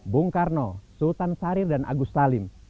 soekarno sultan syahrir dan agus salim